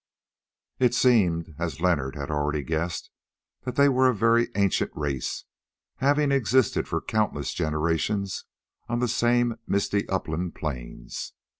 It seemed, as Leonard had already guessed, that they were a very ancient race, having existed for countless generations on the same misty upland plains.